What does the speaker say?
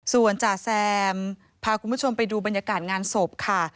ส่วนจ่าแซมพาคุณผู้ชมไปดูบรรยากาศงานศพค่ะ